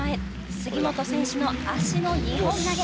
杉本選手の足の２本投げ